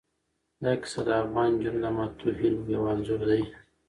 دا کیسه د افغان نجونو د ماتو هیلو یو انځور دی.